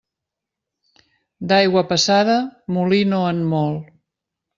D'aigua passada molí no en mol.